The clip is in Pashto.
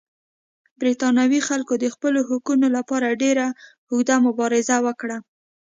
برېټانوي خلکو د خپلو حقونو لپاره ډېره اوږده مبارزه وکړه.